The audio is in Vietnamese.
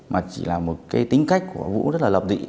mà chỉ là một cái tính cách của vũ rất là lập thị